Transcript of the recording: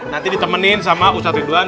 nanti ditemenin sama ustadz ridwan